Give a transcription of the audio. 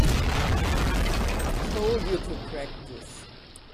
I told you to practice.